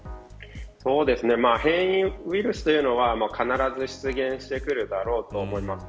変異ウイルスというのは必ず出現してくるだろうと思います。